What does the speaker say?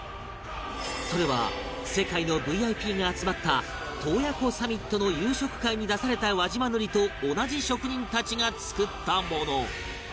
それは世界の ＶＩＰ が集まった洞爺湖サミットの夕食会に出された輪島塗と同じ職人たちが作ったもの